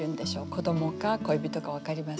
子どもか恋人か分かりません。